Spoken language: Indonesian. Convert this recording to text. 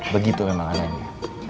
begitu memang anaknya